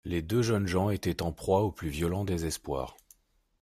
Les deux jeunes gens étaient en proie au plus violent désespoir.